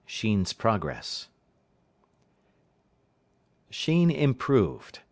X SHEEN'S PROGRESS Sheen improved.